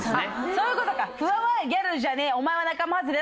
そういうことか。